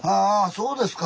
そうですか。